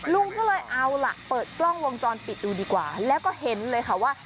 ลุงก็เลยเอาล่ะเปิดกล้องวงจรปิดดูดีกว่าแล้วก็เห็นเลยค่ะว่า